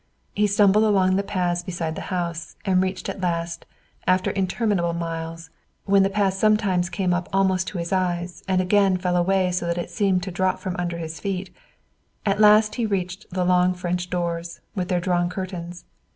He stumbled along the paths beside the house, and reached at last, after interminable miles, when the path sometimes came up almost to his eyes and again fell away so that it seemed to drop from under his feet at last he reached the long French doors, with their drawn curtains.